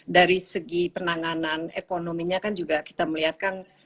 dari segi penanganan ekonominya kan juga kita melihatkan